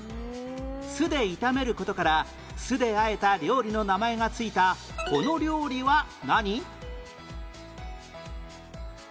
酢で炒める事から酢で和えた料理の名前が付いたこの料理は何？